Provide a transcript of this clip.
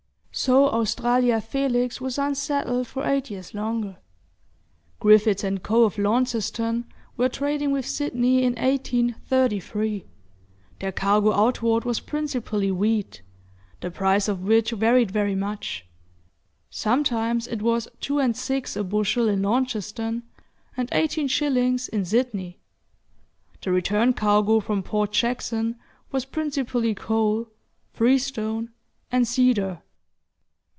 So Australia Felix was unsettled for eight years longer. Griffiths & Co., of Launceston, were trading with Sydney in 1833. Their cargo outward was principally wheat, the price of which varied very much; sometimes it was 2s. 6d. a bushel in Launceston, and 18s. in Sydney. The return cargo from Port Jackson was principally coal, freestone, and cedar.